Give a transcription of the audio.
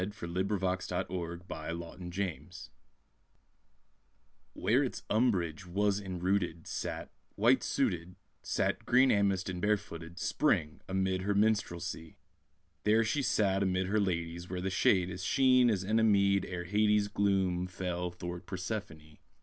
From "Sister Songs" A CHILD'S KISS Where its umbrage[A] was enrooted, Sat, white suited, Sat, green amiced and bare footed, Spring, amid her minstrelsy; There she sat amid her ladies, Where the shade is Sheen as Enna mead ere Hades' Gloom fell thwart Persephone.